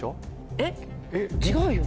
えっ違うよ。